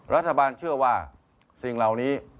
รัฐบาลเชื่อว่าสิ่งเหล่านี้